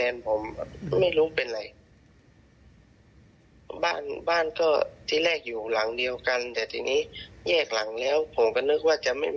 นี่ผานุพงษ์เล่าให้ฟังแล้วนะครับ